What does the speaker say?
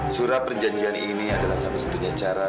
surat perjanjian ini adalah satu satunya cara